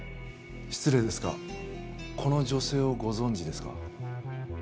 失礼ですがこの女性をご存じですか？